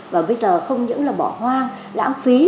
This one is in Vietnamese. và bây giờ không những là bỏ hoang lãng phí